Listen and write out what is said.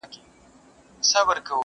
نه نه غلط سوم وطن دي چین دی٫